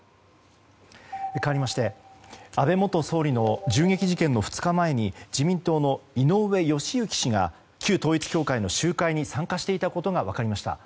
かわりまして安倍元総理の銃撃事件の２日前に自民党の井上義行氏が旧統一教会の集会に参加していたことが分かりました。